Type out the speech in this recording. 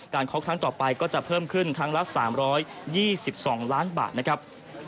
คบครั้งต่อไปก็จะเพิ่มขึ้นครั้งละ๓๒๒ล้านบาทนะครับ